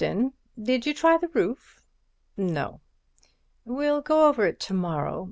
Did you try the roof?" "No." "We'll go over it to morrow.